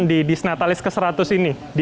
di disnatalis ke seratus ini